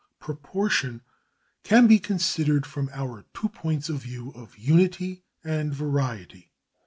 Proportion can be considered from our two points of view of unity and variety.